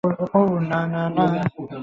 ওহ, না, না, না, না।